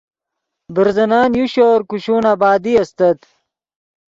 برزنن یو شور کوشون آبادی استت